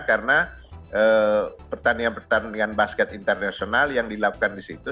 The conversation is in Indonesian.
karena pertanian pertanian basket internasional yang dilakukan di situ